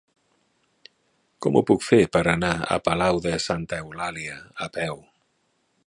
Com ho puc fer per anar a Palau de Santa Eulàlia a peu?